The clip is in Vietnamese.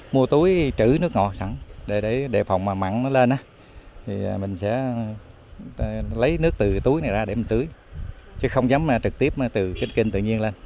mua túi chữ nước ngọt sẵn để phòng mặn nó lên mình sẽ lấy nước từ túi này ra để mình tưới chứ không dám trực tiếp từ kinh tự nhiên lên